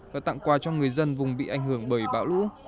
và tặng quà cho người dân vùng bị ảnh hưởng bởi bão lũ